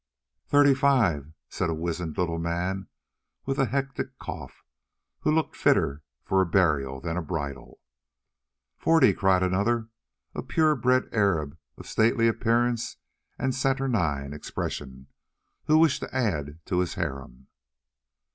"Thirty five," said a wizened little man with a hectic cough, who looked fitter for a burial than a bridal. "Forty!" cried another, a pure bred Arab of stately appearance and saturnine expression, who wished to add to his harem.